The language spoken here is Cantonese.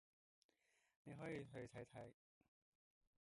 你可以去睇睇